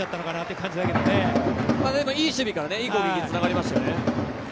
いい守備からいい攻撃につながりましたよね。